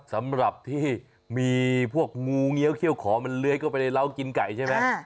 สำหรับที่มีพวกงูเงี้ยวเขี้ยวขอมันเลื้อยเข้าไปในเล้ากินไก่ใช่ไหม